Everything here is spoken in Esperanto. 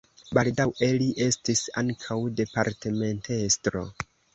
Baldaŭe li estis ankaŭ departementestro.